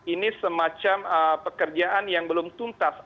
ini semacam pekerjaan yang belum tuntas